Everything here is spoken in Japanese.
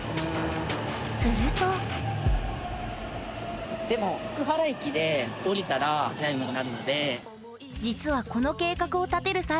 するとでも実はこの計画を立てる際